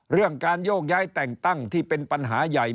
เรื่องการโยกย้ายแต่งตั้งที่เป็นปัญหาใหญ่